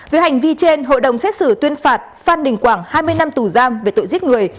với hành vi trên hội đồng xét xử tuyên phạt phan đình quảng hai mươi năm tù giam về tội giết người